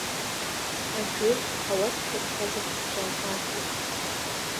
Аџыр ауатка зҭаз афырџьан аақәихит.